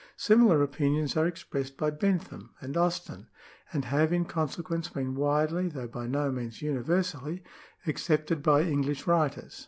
Similar opinions are expressed by Bentham "^ and Austin,^ and have in consequence been widely, though by no means universally, accepted by English writers.